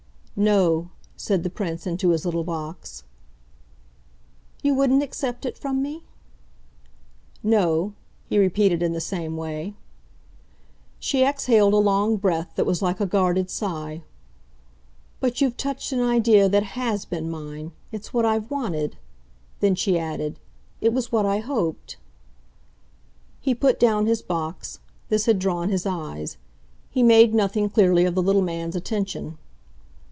"No," said the Prince into his little box. "You wouldn't accept it from me?" "No," he repeated in the same way. She exhaled a long breath that was like a guarded sigh. "But you've touched an idea that HAS been mine. It's what I've wanted." Then she added: "It was what I hoped." He put down his box this had drawn his eyes. He made nothing, clearly, of the little man's attention.